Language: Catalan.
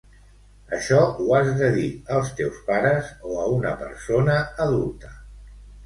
Això ho has de dir als teus pares o a una persona adulta.